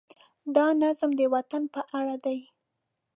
دا نظم د وطن په اړه دی.